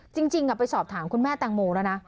จริงจริงอ่ะไปสอบถามคุณแม่ตังโมแล้วนะ